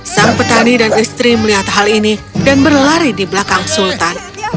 sang petani dan istri melihat hal ini dan berlari di belakang sultan